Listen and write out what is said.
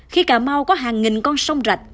khi cà mau có hàng nghìn con sông rạch